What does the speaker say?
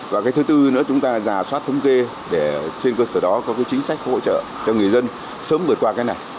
và cái thứ tư nữa chúng ta giả soát thống kê để trên cơ sở đó có cái chính sách hỗ trợ cho người dân sớm vượt qua cái này